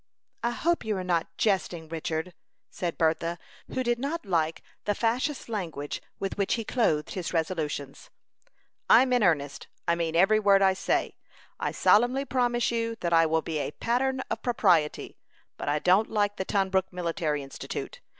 "I hope you are not jesting, Richard," said Bertha, who did not like the facetious language with which he clothed his resolutions. "I'm in earnest. I mean every word I say. I solemnly promise you that I will be a pattern of propriety; but I don't like the Tunbrook Military Institute.